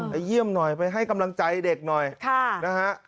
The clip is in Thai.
ไปเยี่ยมหน่อยไปให้กำลังใจเด็กหน่อยนะฮะ